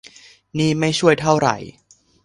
นี่ไม่ช่วยเท่าไหร่